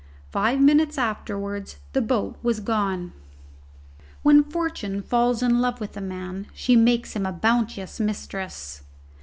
Five minutes afterwards the boat was gone. When fortune falls in love with a man she makes him a bounteous mistress.